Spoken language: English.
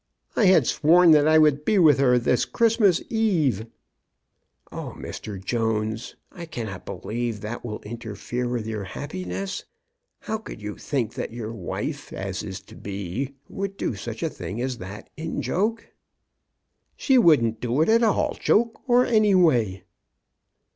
*' I had sworn that I would be with her this Christmas eve." " O Mr. Jones, I cannot believe that will in terfere with your happiness. How could you think that your wife, as is to be, would do such a thing as that in joke? "She wouldn't do it at all, joke or any way."